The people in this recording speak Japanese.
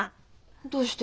どうして？